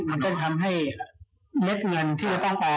มันก็ทำให้เม็ดเงินที่จะต้องไป